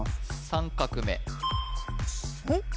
３画目・えっ？